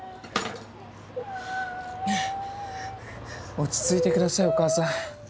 落ち着いて下さいお母さん。